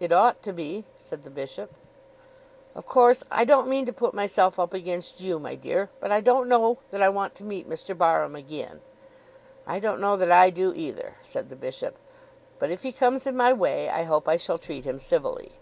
"It ought to be," said the bishop. "Of course I don't mean to put myself up against you, my dear; but I don't know that I want to meet Mr. Barham again." "I don't know that I do, either," said the bishop; "but if he comes in my way I hope I shall treat him civilly."